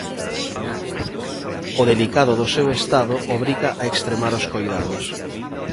O delicado do seu estado obriga a extremar os coidados.